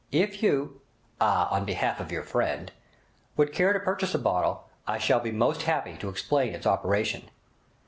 If you—ah, on behalf of your friend!—would care to purchase a bottle, I shall be most happy to explain its operation.'